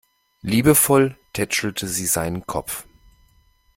Liebevoll tätschelte sie seinen Kopf.